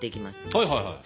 はいはいはいはい。